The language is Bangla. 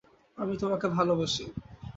আমি তোমাকে ভালোবাসি!